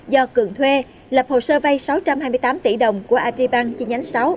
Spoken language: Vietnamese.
do cường thuê lập hồ sơ vây sáu trăm hai mươi tám tỷ đồng của adribank chi nhánh sáu